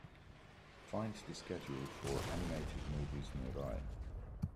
Find the schedule for animated movies nearby